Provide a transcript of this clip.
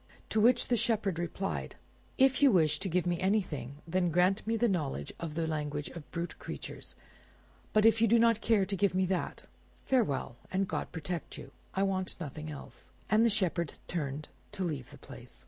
To which the Shepherd replied— "If you wish to give me anything, then grant me the knowledge of the language of brute creatures; but if you do not care to give me that—farewell, and God protect you! I want nothing else." And the Shepherd turned to leave the place.